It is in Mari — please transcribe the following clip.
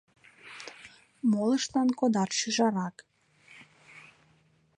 Молыштлан кодат шӱжарак.